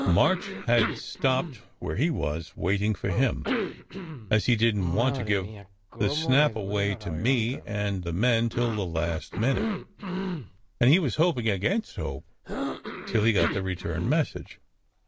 March had stopped where he was, waiting for him, as he didn t want to give the snap away to me and the men till the last minute. And he was hoping against hope, till he got the return message.